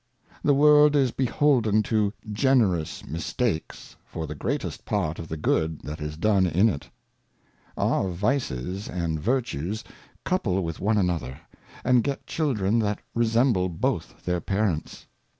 The Wo'rid iTbeholden to generous Mistakes for the greatest Part of the Good that is done in it. Our Vices and Virtues couple with one another, and get Children that resemble both their Parents.